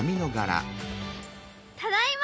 ただいま。